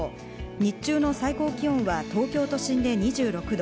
日中の最高気温は東京都心で２６度。